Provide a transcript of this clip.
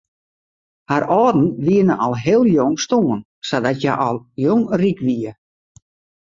Har âlden wiene al hiel jong stoarn sadat hja al jong ryk wie.